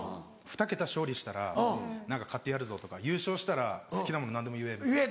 「ふた桁勝利したら何か買ってやるぞ」とか「優勝したら好きなもの何でも言え」。